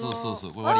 終わり。